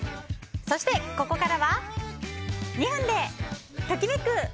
そして、ここからは２分でトキめく！